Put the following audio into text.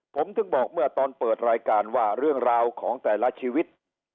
ผมถึงบอกเมื่อตอนเปิดรายการว่าเรื่องราวของแต่ละชีวิต